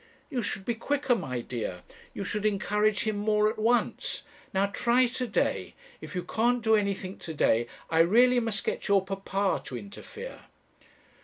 "'You should be quicker, my dear. You should encourage him more at once. Now try to day; if you can't do anything to day I really must get your papa to interfere.'